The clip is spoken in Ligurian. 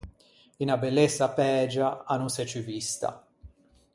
Unna bellessa pægia a no s’é ciù vista.